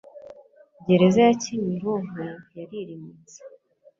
gereza ya kimironko yrrimuts